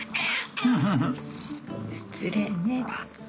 失礼ね！